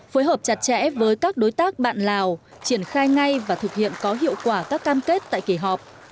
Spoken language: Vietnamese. phối hợp chặt chẽ với các đối tác bạn lào triển khai ngay và thực hiện có hiệu quả các cam kết tại kỳ họp